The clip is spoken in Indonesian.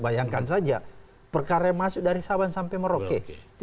bayangkan saja perkara yang masuk dari sabang sampai merauke